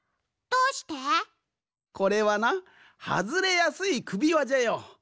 これはなはずれやすいくびわじゃよ。